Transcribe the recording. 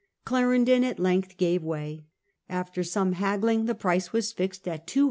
Clarendon at length gave way ; after some haggling the price was fixed at 200,000